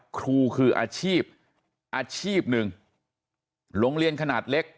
ครูคืออาชีพอาชีพหนึ่งโรงเรียนขนาดเล็ก